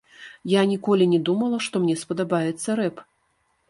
Я ніколі не думала, што мне спадабаецца рэп.